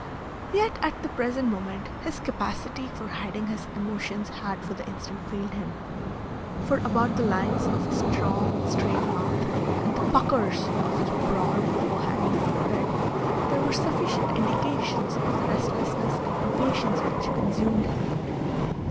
Yet at the present moment his capacity for hiding his emotions had for the instant failed him, for about the lines of his strong, straight mouth and the puckers of his broad, overhanging forehead, there were sufficient indications of the restlessness and impatience which consumed him.